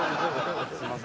すんません。